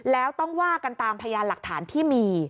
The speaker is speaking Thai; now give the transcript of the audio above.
แล้วต้องว่ากันตามพยานหลักฐานที่มี